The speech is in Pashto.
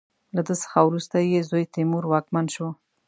له ده څخه وروسته یې زوی تیمور واکمن شو.